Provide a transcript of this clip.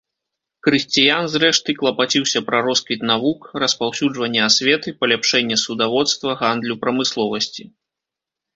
Крысціян, зрэшты, клапаціўся пра росквіт навук, распаўсюджванне асветы, паляпшэнне судаводства, гандлю, прамысловасці.